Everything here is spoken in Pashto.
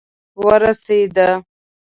ورسېد.